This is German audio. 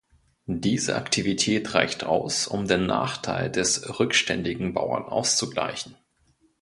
Diese Aktivität reicht aus, um den Nachteil des rückständigen Bauern auszugleichen.